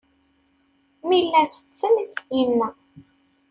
Mi llan tetten, inna.